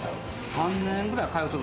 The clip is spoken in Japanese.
３年ぐらい、通ってる。